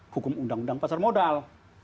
hukum undang undang pasar modal